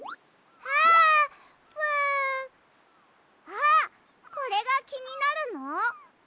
あっこれがきになるの？